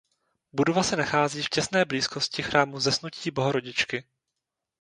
Budova se nachází v těsné blízkosti chrámu Zesnutí Bohorodičky.